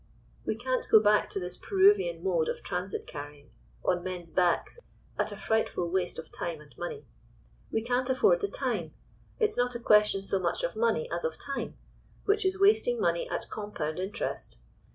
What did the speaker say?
We can't go back to this Peruvian mode of transit carrying—on men's backs, at a frightful waste of time and money. We can't afford the time—it's not a question so much of money as of time, which is wasting money at compound interest.